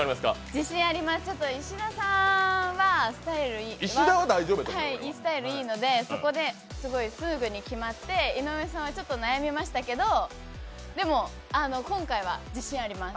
自信あります、石田さんはスタイルいいのでそこですごい、すぐに決まって、井上さんはちょっと悩みましたけど、でも、今回は自信あります。